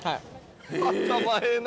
頭ええな